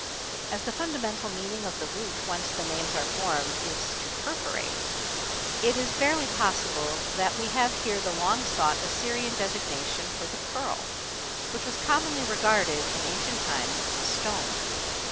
As the fundamental meaning of the root whence the names are formed is "to perforate," it is barely possible that we have here the long sought Assyrian designation for the pearl, which was commonly regarded in ancient times as a stone.